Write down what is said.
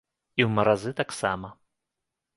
І ў маразы таксама.